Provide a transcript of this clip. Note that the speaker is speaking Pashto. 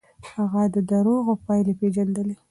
هغه د دروغو پايلې پېژندلې.